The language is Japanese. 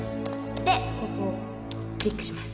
でここをクリックします。